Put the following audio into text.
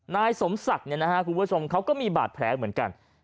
นายสมศักดิ์คุณผู้ชมเขาก็มีบาดแผลเหมือนกัน